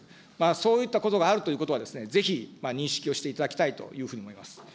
そういったことがあるということは、ぜひ認識をしていただきたいというふうに思います。